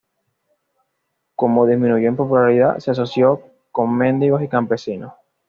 Como disminuyó en popularidad, se asoció con mendigos y campesinos.